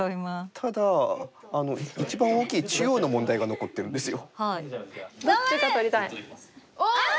ただ一番大きい中央の問題が残ってるんですよ。